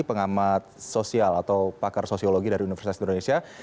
pengamat sosial atau pakar sosiologi dari universitas indonesia